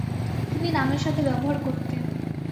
তিনি নামের সাথে ব্যবহার করতেন।